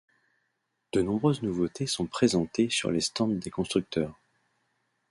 De nombreuses nouveautés sont présentées sur les stands des constructeurs.